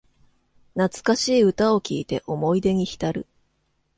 懐かしい歌を聴いて思い出にひたる